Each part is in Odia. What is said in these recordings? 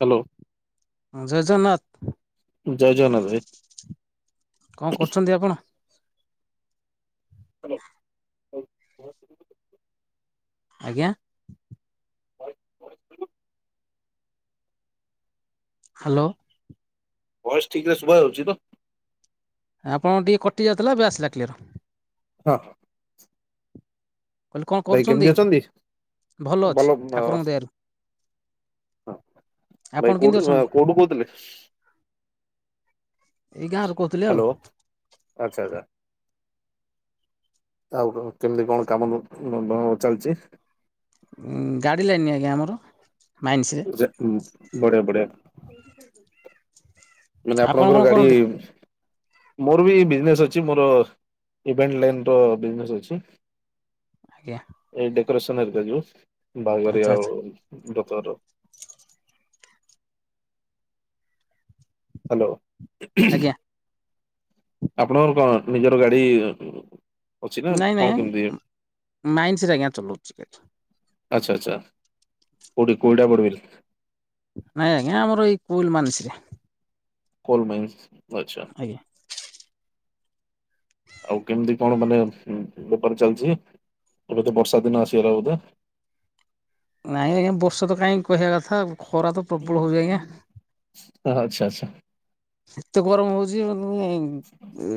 ହ୍ୟାଲୋ ଜୟ ଜଗନ୍ନାଥ। ଜୟ ଜୟନାଥ ଭାଇ। କଣ କରୁଛନ୍ତି ଆପଣ ହାଲୋ ହ ଆଜ୍ଞା। [inaudible] ହ୍ୟାଲୋ ବୟସ ଠିକ ରେ ଶୁଭା ହାଉଛି ତ ଆପଣ ଟିକେ କଟି ଯାଉଥିଲା ଏବେ ଆସିଲା କ୍ଲିଅର ହଁ ହଁ କହିଲେ କଣ ଭାଇ କରୁଛନ୍ତି? କେମିତି ଅଛନ୍ତି ଅଛି ଭଲ ଠାକୁରଙ୍କ ଦୟାରୁ। ହଁ ଆପଣ ଭାଇ କେମିତି କୋଉଠି ଅଛନ୍ତି? କୋଉଠୁ କହୁଥିଲେ ଏଇ ଗାଁରୁ କହୁଥିଲି ଆଉ ହ୍ୟାଲୋ ଆଚ୍ଛା ଆଚ୍ଛା ଆଉ କେମିତି କଣ କାମ ଚାଲିଛି ଉ ଗାଡି ଲାଇନ ଆଜ୍ଞା ଆମର ମାଇନ୍ସିରେ ବଢିଆ ବଢିଆ [inaudible] ମାନେ ଆପଣଙ୍କର ଗାଡି ମୋର ବି ବିଜନେସ ଅଛି ମୋର ଇଭେଣ୍ଟ ଲାଇନ ର ବିଜନେସ୍ ଅଛି ଆଜ୍ଞା ଏଇ ଡେକୋରେସନରିକ ଯୋଉ ବାହାଘରେ ଆଚ୍ଛା ଆଚ୍ଛା ଆଉ ବ୍ରତର ହ୍ୟାଲୋ ଆଜ୍ଞା ଆପଣଙ୍କର କଣ ନିଜର ଗାଡି ଅଛି ନା ନାଇଁ କଣ କେମିତି? ନାଇଁ ମାଇଣ୍ଡ ସେଟ ଆଜ୍ଞା ଚଲଉଛି ଠିକ୍ ଅଛି ଆଚଛା ଆଚ୍ଛା କଉଠ କୋଇଟା ପଡ଼ବେ ନାଇଁ ଆଜ୍ଞା ଆମର ଏଇ କୁଲ ମାନସରେ କୋଲମାଇନ୍ସ ଆଚଛା ଆଜ୍ଞା। [inaudible] ଆଉ କେମିତି କଣ ମାନେ ବେପାର ଚାଲିଛି ଏବେ ତ ବର୍ଷା ଦିନ ଆସିଗଲା ବୋଧେ ନାଇଁ ଆଜ୍ଞା ବର୍ଷା ତ କାହିଁକି କହିବା କଥା ଖରା ତ ପ୍ରବଳ ହଉଛି ଆଜ୍ଞା ଆଚ୍ଛା ଆଚ୍ଛା ଏତେ ଗରମ ହଉଛିେ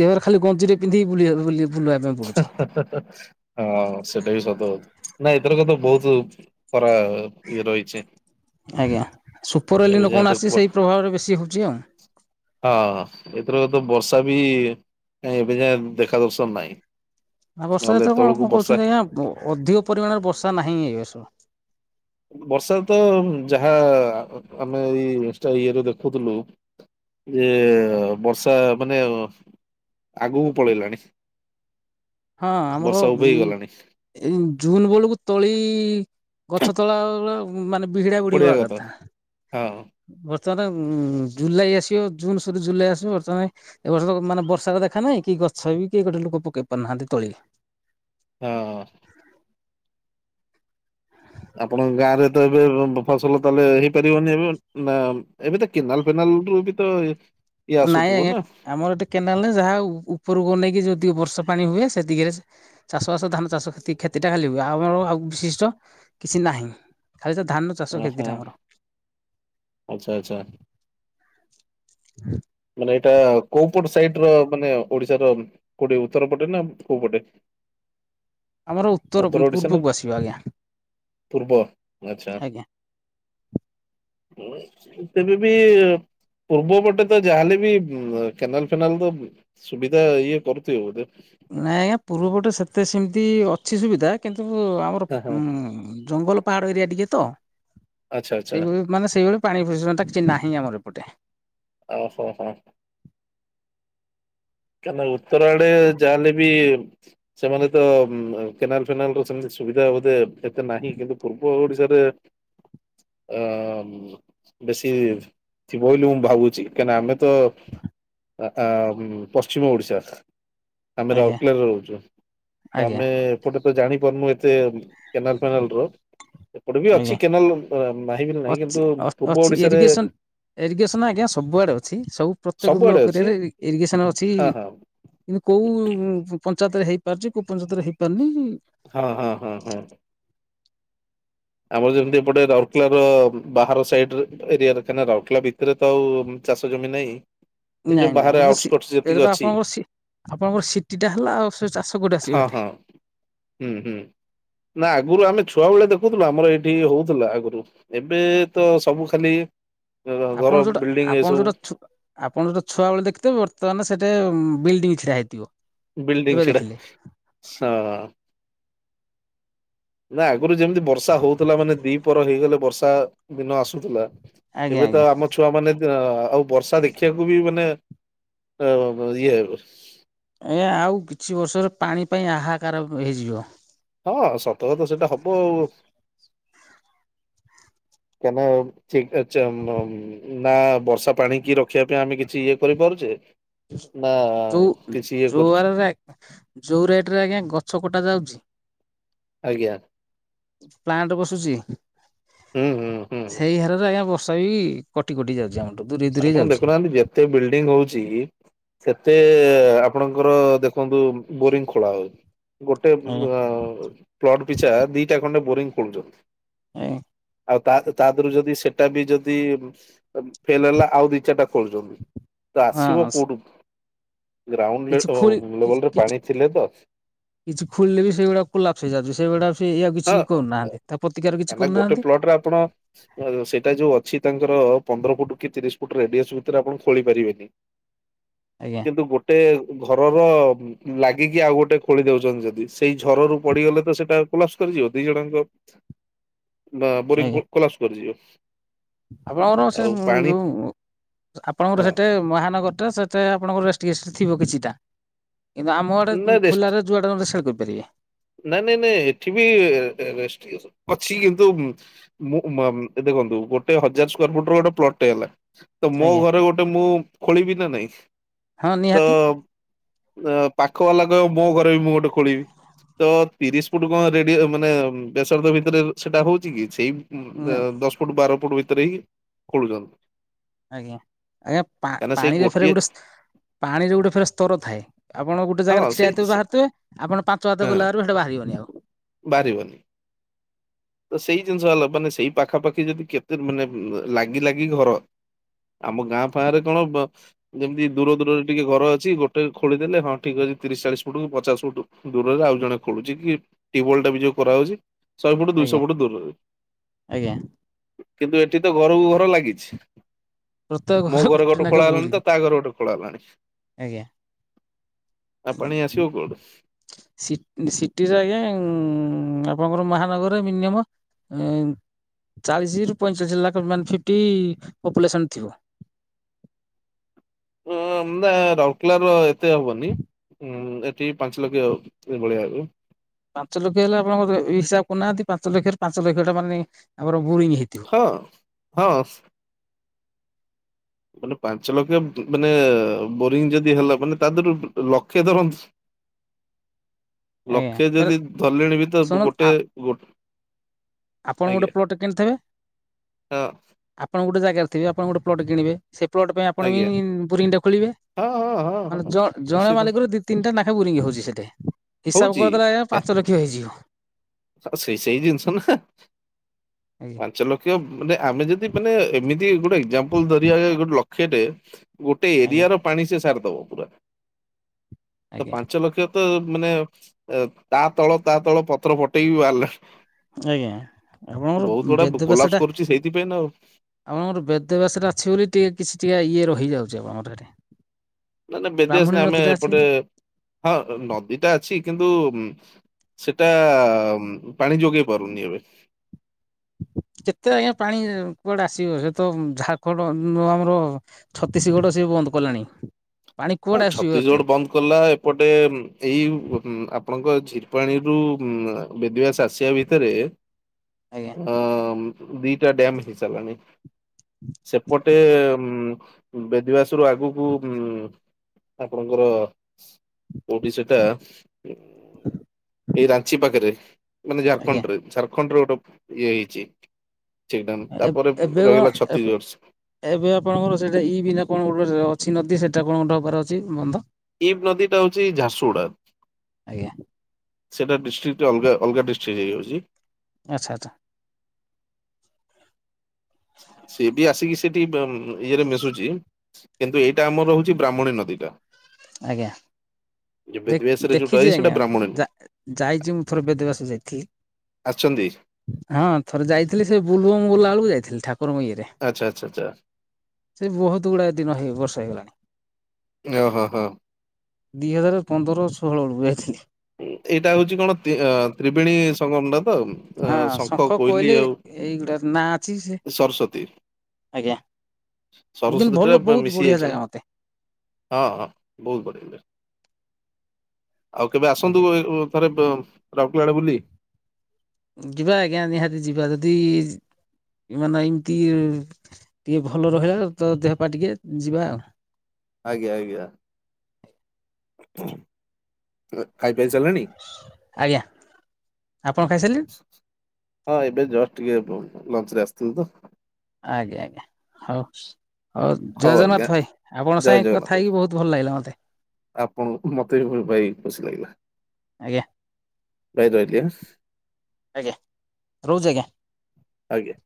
ଦେହରେ ଖାଲି ଗଞ୍ଜିରେ ପିନ୍ଧିକି ବୁଲି ବୁଲି ହଁ ସେଟା ବି ସତ ନା ଏଥର କଥା ବହୁତ ପରା ଯ ରହିଛିେ ଆଜ୍ଞା ସୁପର ଏଲିନ୍ ତ କଣ ଆସି କୁହ। ସେଇ ପ୍ରଭାବରେ ବେଶୀ ହେଉଛି ଆଉ ହଁ ଏଥିରକ ତ ବର୍ଷା ବି କାଇଁ ଏବେ ଯାଏ ଦେଖା ଦର୍ଶନ ନାହିଁ ନା ବର୍ଷା ନହେଲେ ଏଥର କଣ ଏତେବେଳକୁ କଣ ବର୍ଷା କହୁଛନ୍ତି ଆଜ୍ଞା ଅଧିକ ପରିମାଣରେ ବର୍ଷା ନାହିଁ ଏବସ ବର୍ଷା ତ ଯାହା ଆମେ ଏଇ ଇନଷ୍ଟା ୟେ ରୁ ଦେଖୁଥିଲୁ ଏ ବର୍ଷା ମାନେ ଆଗକୁ ପଳେଇଲାଣି ବର୍ଷା ଉଭେଇ ଗଲାଣି ଏ ଜୁନ ବେଳକୁ ତଳି ଗଛ ତଳା ବଳା ମାନେ ବିଗଡା ବୁଡିବା କଥା ହଁ। ବର୍ତ୍ତମାନ ଜୁଲାଇ ଆସିବ ଜୁନ ସରୁ ଜୁଲାଇ ଆସିବ ବର୍ତ୍ତମାନ ଏବର୍ଷ ତ ମାନେ ବର୍ଷାକୁ ଦେଖା ନାହିଁ କି ଗଛ ବି କି ଗୋଟେ ଲୋକ ପକେଇ ପାରୁନାହାନ୍ତି ତୋଳି ହଁ ହଁ ଆପଣଙ୍କ ଗାଁ ରେ ତ ଏବେ ଫସଲ ତାହେଲେ ହେଇପାରିବନି ଏବେ ନା ଏବେ ତ କେନାଲ ଫେନାଲ ରୁ ବି ତ ଇଏ ନାଇଁ ଆସୁଥିବ ଆଜ୍ଞା ନା ଆମର ଏୋଟେ କେନାଲ ଯାହା ଉପରକୁ ନେଇକି ଯି ବର୍ଷା ପାଣି ହୁଏ ସେତିକରେ ଚାଷ ବାଷ ଧାନ ଚାଷଷ କ୍ଷତିଟା ଖାଲି ହୁ ଆମର ଆଉ ବିଶିଷ୍ଟ କିଛି ନାହିଁ ଖାଲି ତ ଧାନ ଚାଷ ଓ ହୋ କ୍ଷତିଟା ଆମର ଆଚ୍ଛା ଆଚ୍ଛା ହୁଁ ମାନେ ଏଇଟା କୋଉ ପଟ ସାଇଡ ର ମାନେ ଓଡିଶ ର କୋଉଠି ଉତ୍ତର ପଟେ ନା କୋଉ ପଟେ ଆମର ଉତ୍ତର ଓଡିଶା ନା ପୂର୍ବକୁ ଆସିବ ଆଜ୍ଞା ପୂର୍ବ ଆଚ୍ଛା। ଆଜ୍ଞା ତେବେବି ବି ପୂର୍ବପଟେ ତ ଯାହାେଲେ ବି କେନାଲ୍ ଫେନାଲ୍ ତ ସୁବିଧା ଇଏ କରୁଥିବେ ବୋଧେ। ନାଇଁ ଆଜ୍ଞା ପୂର୍ବପଟେ ସେତେ ସେମ୍ ତି ଅଛି ସୁବିଧା କିନ୍ତୁ ଆମ ର ହଁ ହଁ ଉ ଜଙ୍ଗଲ ପାହାଡ ଏରିଆ ଟିକେ ତ ଆଚ୍ଛା ଆଚ୍ଛା ସେଇଭଳି ମାନେ ସେଇଭଳି ପାଣି ଫି ତାକା ନାହିଁ ଆମର ଏପଟେ। ଓହୋ ହୋ। କାନାଁ ଉତ୍ତର ଆଡେ ଯାହା ହେଲେ ବି ସେମାନେ ତ ଉଁ କେନାଲ୍ ଫେନାଲ୍ ର ସେମିତି ସୁବିଧା ବୋଧେ ଏତେ ନାହିଁ କିନ୍ତୁ ପୂର୍ବ ଓଡିଶାରେ ଏଁ ବେଶୀ ଥିବ ବୋଲି ମୁଁ ଭାବୁଚି କାଇଁନା ଆମେ ତ ଆଁ ଆମ୍ ପଶ୍ଚିମ ଓଡ଼ିଶା ଆମେ ଆଜ୍ଞା ରାଉରକେଲାରେ ରହୁଚୁ ତ ଆଜ୍ଞା ଆମେ ପଟେ ତ ଜାଣିପାରୁନୁ ଏତେ କେନାଲ୍ ଫେନାଲ୍ ର। ଗୋଟେ ବି ଆଜ୍ଞା। ଅଛି କେନାଲ୍ ଆମ୍ ମାହିିବି ନାହିଁ କିନ୍ତୁ ପୂର୍ବ ଓଡିଶାରେ ଏରିଗେସନ୍ ଆଜ୍ଞା ସବୁଆଡେ ଅଛି ସବୁ ପ୍ରତ୍ୟେକ ସବୁଆଡେ ବ୍ଲକରେ ଅଛି ଏରିଗେସନ ଅଛି। ହଁ ହଁ କିନ୍ତୁ କୋଉ ପଞ୍ଚାୟତରେ ହେଇପାରୁଚି କୋଉ ପଞ୍ଚାୟତ ରେ ହେଇପାରୁନି। ହଁ ହଁ ହଁ ହଁ। ଆମର ଯେମିତି ଏପଟେ ରାଉରକେଲଲା ର ବାହାର ସାଇଡ୍ ଏରିଆରେ କାଇନା ରାଉରକେଲା ଭିତେରେ ତ ଆଉ ଚାଷ ଜମି ନାହିଁ। ଏଇ ଯୋଉ ନାଇଁ ବାହାରେ ନାଇଁ ତ ସି ଆଉଟସ୍କଟ ଯେତିକି ଏଇଟା ତ ଅଛି ଆପଣଙ୍କର ସି ଆପଣଙ୍କର ସିଟିଟା ହେଲା ଆଉ ସେ ଚାଷ କୋଉଠୁ ଆସିବ ହଁ ହଁ ହେଟି। ହୁଁ ହୁଁ ନା ଆଗୁରୁ ଆମେ ଛୁଆ ବେଳେ ଦେ କୋଉଥୁଲୁ ଆମର ଏଇଠି ହଉଥିଲା ଆଗରୁ ଏବେ ତ ସବୁ ଖାଲି ଘର ଆପଣ ଯୋଉଟା ବିଲ୍ଡିଂ ଆପଣ ଏସବୁ ଯୋଉଟା ଛୁ ଆପଣ ତ ଛୁଆବେଳେ ଦେଖିଥିବେ ବର୍ତ୍ତମାନ ସେଠେ ବିଲ୍ଡିଂ ଠିଡା ହେଇଥିବ। ବିଲ୍ଡିଂ ଏବେ ଛିଡା ଦେଖିଲେ। ହଁ। ନା ଆଗରୁ ଯେମିତି ବର୍ଷା ହୋଉଥୁଲା ମାନେ ଦି ପର ହେଇଗଲେ ବର୍ଷା ଦିନ ଆସୁଥୁଲା। ଆଜ୍ଞା ଏବେ ତ ଆଜ୍ଞା ଆମ ଛୁଆ ମାନେତ ଆ ଆଉ ବର୍ଷା ଦେଖିବାକୁ ବି ମାନେ ଇଏ ହେବେ। ଏ ଆଉ କିଛି ବର୍ଷରେ ପାଣି ପାଇଁ ଆହାକାର ହେଇଯିବ। ହଁ ସତକ ତ ସେଇଟା ହବ ଆଉ। ତମେ ଠିକ ଅଛ? ନା ବର୍ଷା ପାଣି କି ରଖିବା ପାଇଁ ଆମେ କିଛି ଇଏ କରିପାରୁଚେ ଯୋଉ ଯୋଉ ଆରରେ ଯୋଉା ରେଟ୍ ରେ ଆଜ୍ଞା ଗଛ କଟା ଯାଉଛି। ଆଜ୍ଞା। ପ୍ଲାଣ୍ଟ ବସୁଚି ହୁଁ ହୁଁ ହୁଁ ସେଇ ହାରରେ ଆଜ୍ଞା ବ ର୍ଷା ବି କଟି କଟି ଯାଉଚି ଆ ଆପଣ ଦେଖୁନାହାନ୍ତି ଯେତେ ବିଲ୍ଡିଙ୍ଗ ହୋଉଚି ସେତେ ଆପଣଙ୍କର ଦେ କନ୍ତୁ ବୋରିଂ ଖୋଳା ହୋଉ ଗୋଟେ ଆଜ୍ଞା ଅ ପ୍ଲଟ୍ ପିଛା ଦିଟା ଖଣ୍ଡେ ବୋରିଂ ଖୋଳୁଚ ଆଇଁ ଆଉ ତା ତା ଦେହରୁ ଯଦି ସେଟା ବି ଯଦି ଫେଲ୍ ହେଲା ଆଉ ଦି ଚାଟା କରୁଛନ୍ତି ତ ହଁ ଆସିବ ସେ କୋଉଠୁ। ଗ୍ରାଉଣ୍ଡ୍ ଲେ କିଛି ଖୋଳି ଲେବଲ୍ କିଛି ରେ କିଛି ପାଣି ଥିଲେ ତ। କିଛି ଖୋଳିଲେ ବି ସେଇଭଳିଆ କୋଲାପ୍ସ୍ ହେଇଯାଉଛି ସେଇଭଳିଆ ସେଇୟଉ ହଁ କିଛି କରୁନାହାନ୍ତି ତା ପ୍ରତିକାର କିଛି କାହିଁକିନା ଗୋଟେ କରୁନାହାନ୍ତି। ପ୍ଲଟରେ ଆପଣ ସେଇଟା ଯୋଉ ଅଛି ତାଙ୍କର ପନ୍ଦର ଫୁଟୁ। କି ତିରିଶ ଫୁଟ୍ ରେଡିଆସ୍ ଭିତରେ ଆପଣ ଖୋଳି ପାରିବେନି। ଆଜ୍ଞା। କିନ୍ତୁ ଗୋଟେ ଘରର ଲାଗିକି ଆଉ ଗୋଟେ ଖୋଳି ଦଉଛନ୍ତି ଯଦି ସେଇ ଝରରୁ ପଡିଗଲେ ତ ସେଇଟା କୋଲାପସ କରିଯିବ। ଦିଜଣଙ୍କ ବା ବୋରି ଆଜ୍ଞା। କୋଲାବସ ଯିବ। ଆପଣଙ୍କର ସେ ଯୋଉ ହଁ ଆପଣଙ୍କର ସେଠ୍ ମହାନଗର ଟା ସେଟା ଆପଣଙ୍କର ରେଷ୍ଟ ଥିବ କିଛିଟା? କିନ୍ତୁ ଆମ ଆଡେ ନା ରେଷ୍ଟ ଖୋଲାରେ ଯୁଆଡେ ସେଆ କହିପାରିବେ। ନାଇଁ ନାଇଁ ନାଇଁ ଏଠି ବି ରେଷ୍ଟ ଅଛି କିନ୍ତୁ ମୁଁ ଦେଖନ୍ତୁ ଗୋଟେ ହଜାର ସ୍କୁୟାର ଫୁଟ ର ଗୋଟେ ପ୍ଲଟ ହେଲା। ତ ମୋ ଆଜ୍ଞା। ଘରେ ଗୋଟେ ମୁଁ ଖୋଳିବି ନା ନାଇଁ ହଁ ତ ନିହାତି ପାଖ ବାଲା କହ ମୋ ଘରେ ବି ମୁଁ ଗୋଟେ ଖୋଳିବି। ତ ତିରିଶ ଫୁଟ କଣ ରେଡି ମାନେ ବେସରଦ ଭିତରେ ସେଇଟା ହଉଛି କି ସେଇ ଦଶ ଫୁଟ ବାର ଫୁଟ ଭିତରେ ହିି ଖୋଳୁଛନ୍ତି। ଆଜ୍ଞା ଆଜ୍ଞା ପା କାହିଁକିନା ସେଇ ପାଣିରେ ଫେରେ ଗୋଟିଏ ଗୋଟେ ପାଣିରେ ଗୋଟେ ଫେରେ ସ୍ତର ଥାଏ। ଆପଣ ଗୋଟେ ଜାଗାରେ ହଁ ଛିା ସେଇ ଏତେ ବି ସେ ବାାରୁଥିବେ ଆପଣ ପାଞ୍ଚ ହାତ ହଁ ଗଲାାରୁ ସେଇଟା ବାହାରିବନି ଆଉ ବାହାରିବନି ତ ସେଇ ଜିନିଷ ହେଲା। ମାନେ ସେଇ ପାଖାପାଖି ଯଦି କେତ ମାନେ ଲାଗି ଲାଗି ଘର। ଆମ ଗାଁ ପାହଁରେ କଣ ଯେମିତି ଦୂର ଦୂରରେ ଟିକେ ଘର ଅଛି। ଗୋଟେ ଖୋୋଲିଦଲେଁ ଠିକ ଅଛି ତିରିଶ ଚାଳିଶ ଫଟ କି ପଚାଶ ଫୁଟ ଦୂରରେ ଆଉ ଜଣେ ଖୋଳୁଛି କି ଟ୍ୟୁବୱାଲ ଟା ବି ଯୋଉ କରାହାଉଛି ଶହେ ଫୁଟ ଆଜ୍ଞା ସବୁଠୁ ଦୂରରେ ଆଜ୍ଞା କିନ୍ତୁ ଏଠି ତ ଘରକୁ ଘର ଲାଗିଛି। ପ୍ରତ୍ୟେକ ମୋ ଘର ଘରେ ଗୋଟେ ନାଖେ ଖୋଳା ହେଲାଣି ବୋରିଂ ତ ତା ଘରେ ଗୋଟେ ଖୋଳା ହେଲାଣି। ଆଜ୍ଞା। ଆଉ ପାଣି ଆସିବ କୁଆଡୁ। ସି ସିଟିରେ ଆଜ୍ଞା ଆପଣଙ୍କର ମହାନଗର ମିନିମମ ଏ ଚାଳିଶ ରୁ ପଇଁଚାଳିଶ ଲଖ ମାନେ ଫି୍ଟି ପପୁଲେସନ ଥିବ? ନା ରାଉରକେଲା ର ଏତେ ହବନି। ଠି ପାଞ୍ଚ ଲକ୍ଷ ଭଳିଆ ହେବେ ଆଉ। ପାଞ୍ଚ ଲକ୍ଷ ହେଲେ ଆପଣଙ୍କର ହିସାବ କରୁନାହାନ୍ତି ପାଞ୍ଚ ଲକ୍ଷରେ ପାଞ୍ଚ ଲକ୍ଷ ଟା ମାନେ ଆମର ବୋରିଂ ହେଇଥିବ। ହଁ ହଁ ମାନେ ପାଞ୍ଚ ଲକ୍ଷ ମାନେ ବୋରିଂ ଯଦି ହେଲା ମାନେ ତା ଦେହରୁ ଲକ୍ଷେ ଧରନ୍ତୁ [unintelligible] ଲକ୍ଷେ ଫେରେ ଯଦି ଧରଲେଣି ବି ତ ଶୁଣ ଗୋଟେ ଗୋ ଆପଣ ଗୋଟେ ଆଜ୍ଞା ପ୍ଲଟ କିଣିଥିବେ? ହଁ ଆପଣ ଗୋଟେ ଜାଗାରେ ଥିବେ ଆପଣ ଗୋଟେ ପ୍ଲଟ କିଣିବେ। ସେ ପ୍ଲଟ ପାଇଁ ଆପଣ ବି ଆଜ୍ଞା ବୁରିଙ୍ଗ ଟେ ଖୋଳିବେ। ହଁ ହଁ ହଁ ମାନେ ହଁ ଜ ଜଣେ ନିଶ୍ଚିତ ମାଲିକ ର ଦି ତିନିଟା ନାକ୍ଷେ ବୁରିଙ୍ଗି ହଉଛି ସେଠି। ହିସାବ ହଉଛି। କରିଦେଲେ ପାଞ୍ଚ ଲକ୍ଷ ହେଇଯିବ। ସ ସେଇ ସେଇ ଜିନିଷ ନା [inaudible] ପାଞ୍ଚ ଲକ୍ଷ ମାନେ ଆମେ ଯଦି ମାନେ ଏମିତି ଗୋଟେ ଏକ୍ଜାମ୍ପଲ ଧରିବା ଗୋଟେ ଲକ୍ଷଟେ ଗୋଟେ ଆଜ୍ଞା ଏରିଆ ର ପାଣି ସେ ସାରିଦବ ପୁରା। ତ ଆଜ୍ଞା ପାଞ୍ଚ ଲକ୍ଷ ତ ମାନେ ତା ତଳ ତା ତଳ ପତ୍ର ପଟେଇକି ବାହାରିଲା ଆଜ୍ଞା। ଆପଣଙ୍କର ବହୁତ ଗୁଡା ବେଦବ୍ୟାସ ଟା କୋଲାପସ କରୁଛି ସେଇଥିପାଇଁ ଆଉ। ଆପଣଙ୍କର ବେଦ୍ୟ ବ୍ୟାସରେ ଅଛି ବୋଲି ଟିକେ କିଛି ଟିକେ ଇଏ ରହିଯାଉଛି ଆପଣଙ୍କର ହେଠି ନା ନାଇଁ ବେଦୀ ଆସନି ଆମେ ଏପଟେ ବୋଲି ହଁ ନଦୀ ଟା ଅଛି କିନ୍ତୁ ସେଟା ପାଣି ଯୋଗେଇ ପାରୁନି ଏବେ। କେତେ ଆଜ୍ଞା ପାଣି କୁଆଡେ ଆସିବ ସେ ତ ଝାରଖଣ୍ଡ ଯୋଉ ଆମର ଛତିଶଗଡ ସଏ ବନ୍ଦ କଲାଣି ପାଣି ହଁ କୁଆଡେ ଆସିବ ଏତେ ଛତିଶଗଡ଼ ବନ୍ଦ କଲା ଏପଟେ ଏଇ ଆପଣଙ୍କ ଝିର୍ ପାାଣିରୁୁ ବେଦିବାସ ଆସିବା ଭି ତେରେ ଆଜ୍ଞା ଅ ଦିଟା ଡ୍ୟମ୍ ହେଇସାରିଲାଣି। ସେପଟେ ଗୋଟେ ଉ ବେଦିବାସରୁ ଆଗକୁ ଆପଣଙ୍କର କୋଉଠି ସେଟା। ଏଇ ରାଞ୍ଚି ପାଖରେ ମାନେ ଆଜ୍ଞା ଝାରଖଣ୍ଡରେ ଝାରଖଣ୍ଡର ଗୋଟେ ଇଏ ହେଇଚି [unintelligible] ଏ ତାପରେ ଏବେ କଣ ରହିଗଲା ଏବେ ଛତିଶଗଡ ଏବେ ଆପଣଙ୍କର ସେଇଟା ଇ ବିନା କଣ ଗୋଟ ଅଛି। ନଦୀ ସେଇଟା କଣ ଗୋଟେ ହବାର ଅଛି ବନ୍ଧ। ଏ ନଦୀ ଟା ହୋଉଚି ଝାରଗୁଡା। ଆଜ୍ଞା ସେଇଟା ଡିଷ୍ଟ୍ରିକ୍ଟି ଅଲଗା ଅଲଗା ଡିଷ୍ଟ୍ରିକ୍ ହେଇଯାଉଚି। ଆଚ୍ଛ ଆଚ୍ଛା। ସିଏ ବି ଆସିକି ସେଠି ବି ଇଏରେ ମିଶୁଚି। କିନ୍ତୁ ଏଇଟା ଆମର ହୋଉଚି ବ୍ରାହ୍ମଣୀ ନଦୀ ଟା। ଆଜ୍ଞା। ବେଦବ୍ୟାସ ରେ ଯୋଉଟା ଦେ-ଦେଖିଚି ହେଇଛି ସେଟା ଆଜ୍ଞା। ବ୍ରାହ୍ମଣୀ ଯା-ଯାଇଚି ମୁଁ ଥର [unintelligible] ଯାଇଥିଲି। ଆସିଛନ୍ତି? ହଁ ଥରେ ଯାଇଥିଲି ସେ ବୁଲବୁମ ଗଲା ବେଳକୁ ଯାଇଥିଲି ଠାକୁରଙ୍କ ଇଏରେ। ଆଚ୍ଛା ଆଚ୍ଛା ଆଚ୍ଛା ସେ ବୋହୁତ ଗୁଡାଏ ଦିନ ହେଇ ବର୍ଷେ ହେଇଗଲାଣି। ଓ ହୋ ହୋ। ଦି ହଜାର ପନ୍ଦର ଷୋହଳ ବେଳକୁ ଯାଇଥିନି। ଏଇଟା ହୋଉଚି କଣ ତ୍ରି-ତ୍ରିବେଣୀ ସଂଙ୍ଗମଟା ତ ଶଙ୍ଖ କୋଇଲି ଆଉ ଏଇଗୁଡା ନା [unintelligible] ସରସ୍ଵତୀ ଆଜ୍ଞା ମୁଁ କହିଲ ସରସ୍ଵତୀ ଭଲ ଟା ବୋହୁତ ମିଶି ବଢିଆ ଜାଗା ଯାଇଛନ୍ତି ମତେ। ହଁ ଅ ବୋହୁତ ବଢିଆ ଜାଗା। ଆଉ କେବେ ଆସନ୍ତୁ ଆଜ୍ଞା। ଏ ଉ ଥରେ ବେ ରାଉରକେଲା ଆଡେ ବୁଲି। ଯିବା ଆଜ୍ଞା ନିହାତି ଯିବା ଯଦି ଏମାନେ ଏମିତି ଟିକେ ଭଲ ରହିଲା ତ ଦେହ ପା ଟିକେ ଯିବା ଆଉ। ଆଜ୍ଞା ଆଜ୍ଞା। ଖାଇ ପିଆ ହେଇ ସାରିଲାଣି? ଆଜ୍ଞା ଆପଣ ଖାଇ ସାରିଲେଣି? ହଁ ଏବେ ଜଷ୍ଟ ଟିକେ ଲଞ୍ଚରେ ଆସିଥିଲୁ ତ। ଆଜ୍ଞା ଆଜ୍ଞା ହୋଉ। ହୋଉ ଜୟ ହଉ ଆଜ୍ଞା ଜଗନ୍ନାଥ ଭାଇ ଆପଣଙ୍କ ଜୟ ସାଙ୍ଗେ ଜଗନ୍ନାଥ କଥା ଭାଇ। ହେଇକି ବୋହୁତ ଭଲ ଲାଗିଲା ମତେ। ଆପଣଙ୍କୁ ମତେ ବି [unintelligible] ଭାଇ ଖୁସି ଲାଗିଲା। ଆଜ୍ଞା। [unintelligible] ଆଜ୍ଞା ରହୁଛି ଆଜ୍ଞା। ଆଜ୍ଞା।